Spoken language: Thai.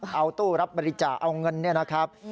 เอาตู้รับบริจาคเอาเงินเนี่ยนะครับ